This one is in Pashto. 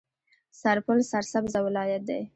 سرپل سرسبزه ولایت دی.